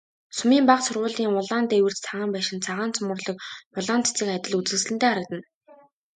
Сумын бага сургуулийн улаан дээвэрт цагаан байшин, цагаан цоморлог улаан цэцэг адил үзэсгэлэнтэй харагдана.